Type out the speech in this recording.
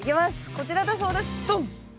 こちらだそうですドン！